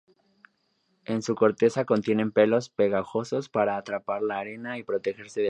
En su corteza contienen pelos pegajosos para atrapar la arena y protegerse del viento.